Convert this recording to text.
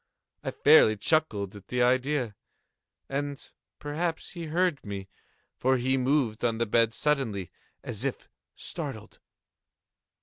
I fairly chuckled at the idea; and perhaps he heard me; for he moved on the bed suddenly, as if startled.